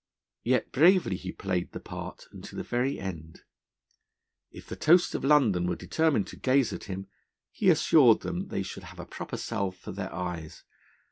Yet bravely he played the part unto the very end. If the toasts of London were determined to gaze at him, he assured them they should have a proper salve for their eyes.